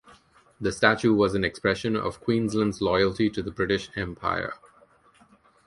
The statue was an expression of Queensland's loyalty to the British Empire.